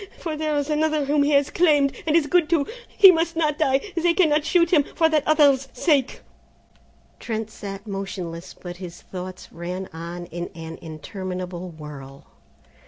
For there is another whom he has claimed, and is good to. He must not die, they cannot shoot him, for that other's sake!" Trent sat motionless, but his thoughts ran on in an interminable whirl.